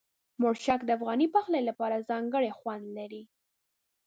مرچک د افغاني پخلي لپاره ځانګړی خوند لري.